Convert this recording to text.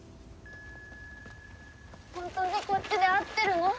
本当にこっちで合ってるの？